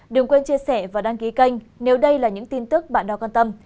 đừng quên chia sẻ và đăng ký kênh nếu đây là những tin tức bạn đọc quan tâm